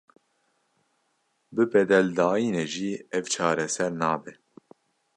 Bi bedeldayînê jî ev çareser nabe.